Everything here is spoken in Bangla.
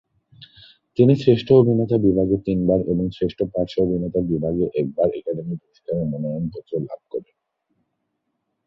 তিনি শ্রেষ্ঠ অভিনেতা বিভাগে তিনবার এবং শ্রেষ্ঠ পার্শ্ব অভিনেতা বিভাগে একবার একাডেমি পুরস্কারের মনোনয়ন লাভ করেন।